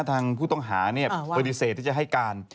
ทางผู้ต้องหาเนี่ยเฟอร์ดิเศษที่จะให้การ